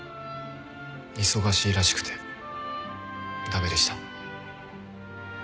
忙しいらしくて駄目でした。